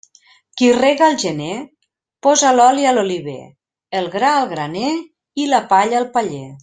Qui rega al gener, posa l'oli a l'oliver, el gra al graner i la palla al paller.